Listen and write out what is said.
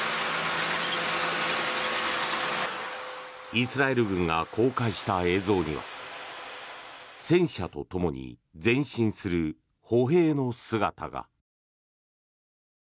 イスラエル軍が公開した映像には戦車とともに前進する歩兵の姿が。